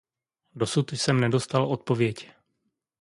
Dosud jsem nedostal odpověď.